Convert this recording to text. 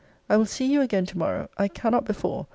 I will see you again to morrow. I cannot before.